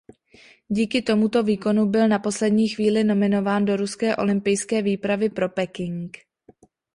Díky tomuto výkonu byl na poslední chvíli nominován do ruské olympijské výpravy pro Peking.